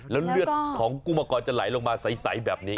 แล้วเลือดของกุ้งมังกรจะไหลลงมาใสแบบนี้